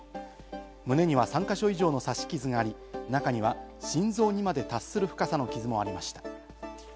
胸には３か所以上の刺し傷があり、中には心臓にまで達する深さの傷もありました。